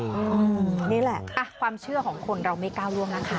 นี่แหละความเชื่อของคนเราไม่ก้าวล่วงนะคะ